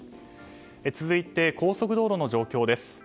続いて、高速道路の状況です。